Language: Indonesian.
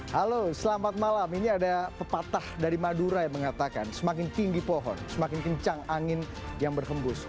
halo selamat malam ini ada pepatah dari madura yang mengatakan semakin tinggi pohon semakin kencang angin yang berhembus